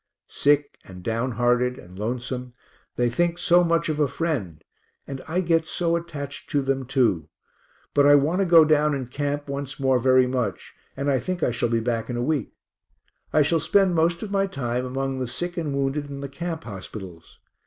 Sick and down hearted and lonesome, they think so much of a friend, and I get so attached to them too but I want to go down in camp once more very much; and I think I shall be back in a week. I shall spend most of my time among the sick and wounded in the camp hospitals.